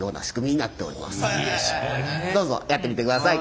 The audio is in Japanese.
どうぞやってみてください。